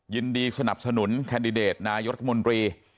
ยินดีสนับสนุนแคนดิเดตนายกรัฐมนตรี